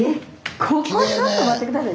ここちょっと待って下さい。